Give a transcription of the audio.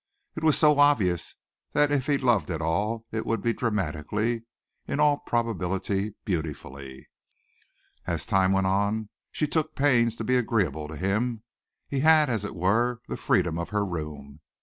It was so obvious that if he loved at all it would be dramatically, in all probability, beautifully. As time went on she took pains to be agreeable to him. He had, as it were, the freedom of her room.